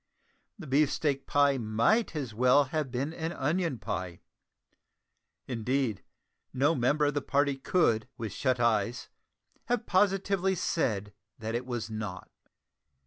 The beefsteak pie might as well have been an onion pie; indeed, no member of the party could, with shut eyes, have positively said that it was not.